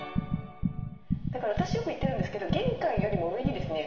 だから私よく言ってるんですけど玄関よりも上にですね